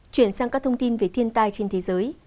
chuyển sang các thông tin về thiên tai trên thế giới